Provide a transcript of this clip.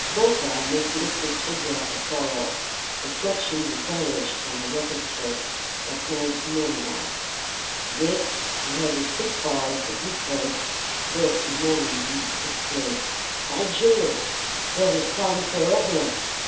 Bertha noticed his figure afar off, approaching the carriage on a rapid trot, but made no remark. Dick, who had a quick eye for good points both in man and beast, exclaimed, "By Jove! there's a fine pair of them!